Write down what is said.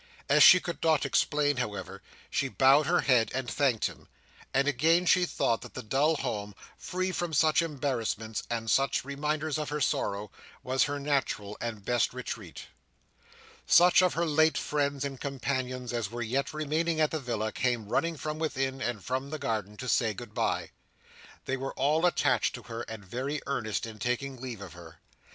As she could not explain, however, she bowed her head and thanked him; and again she thought that the dull home, free from such embarrassments, and such reminders of her sorrow, was her natural and best retreat. Such of her late friends and companions as were yet remaining at the villa, came running from within, and from the garden, to say good bye. They were all attached to her, and very earnest in taking leave of her.